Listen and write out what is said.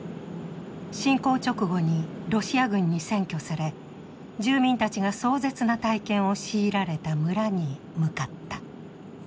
侵攻直後にロシア軍に占拠され住民たちが壮絶な体験を強いられた村に向かった。